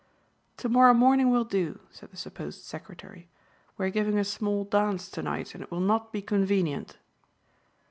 "To morrow morning will do," said the supposed secretary. "We are giving a small dance to night and it will not be convenient."